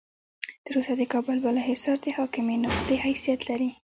تر اوسه د کابل بالا حصار د حاکمې نقطې حیثیت لري.